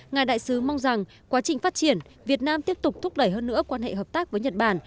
ngài đại sứ mong rằng quá trình phát triển việt nam tiếp tục thúc đẩy hơn nữa quan hệ hợp tác với nhật bản